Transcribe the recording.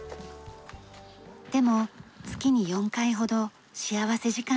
でも月に４回ほど幸福時間があります。